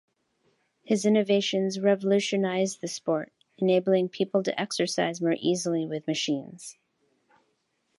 His innovations revolutionized the sport, enabling people to exercise more easily with machines.